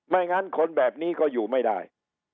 งั้นคนแบบนี้ก็อยู่ไม่ได้